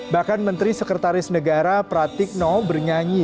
bahkan menteri sekretaris negara pratik noh bernyanyi